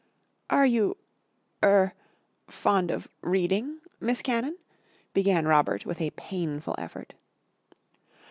"Are you er fond of reading, Miss Cannon?" began Robert with a painful effort.